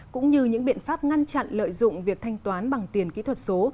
cũng như những biện pháp ngăn chặn lợi dụng việc thanh toán bằng tiền kỹ thuật số